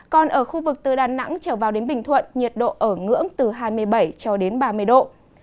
còn ở khu vực từ đà nẵng trở vào đến bình thuận nhiệt độ ở ngưỡng từ hai mươi bảy cho đến ba mươi độ